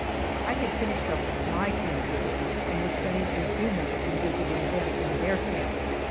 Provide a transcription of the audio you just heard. I had finished up my camp work and wa.s spending a few moments in visiting them in their camp.